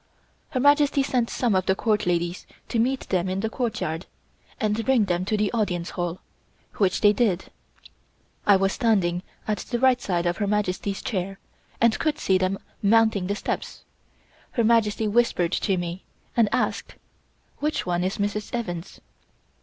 Her Majesty sent some of the Court ladies to meet them in the courtyard, and bring them to the Audience Hall, which they did. I was standing at the right side of Her Majesty's chair, and could see them mounting the steps. Her Majesty whispered to me, and asked: "Which one is Mrs. Evans?"